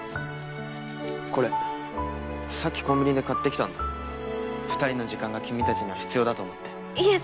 これさっきコンビニで買ってきたんだ２人の時間が君たちには必要だと思っていえ